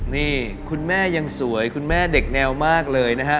นี่คุณแม่ยังสวยคุณแม่เด็กแนวมากเลยนะฮะ